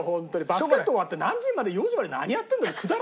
バスケット終わって４時まで何やってんだ？